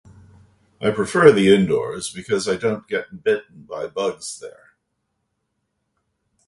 I prefer the indoors because I don't get bit by bugs there.